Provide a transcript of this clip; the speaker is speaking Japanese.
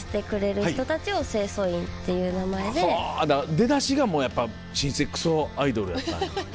出だしがもうやっぱ「新生クソアイドル」だったんや。